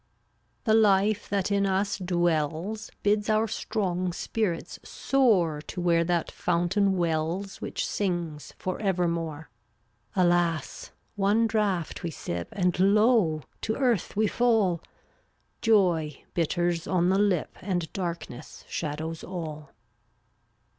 369 The life that in us dwells (ftttt/11* Bids our strong spirits soar Tjf To where that fountain wells \J*£' Which sings for evermore. ftUYkfr Alas ! one draught we sip J And lo! to earth we fall; Joy bitters on the lip And darkness shadows all.